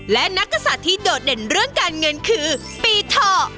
และนักกษัตริย์ที่โดดเด่นเรื่องการเงินคือปีถ่อ